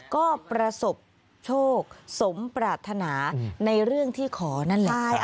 ก็ประสบโชคสมปรารถนาในเรื่องที่ขอนั่นแหละ